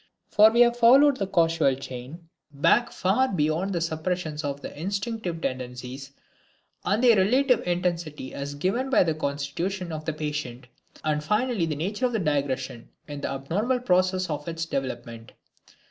For we have followed the causal chain back far beyond the suppressions to the instinctive tendencies and their relative intensity as given by the constitution of the patient, and finally the nature of the digression in the abnormal process of its development.